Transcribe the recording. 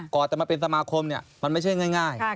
กรอบจะมาเป็นสมาคมเนี่ยมันไม่ใช่ง่าย